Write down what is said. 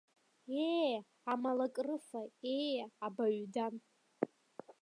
Ее, амалакрыфа, ее, абаҩдан!